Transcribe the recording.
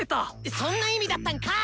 そんな意味だったんかい！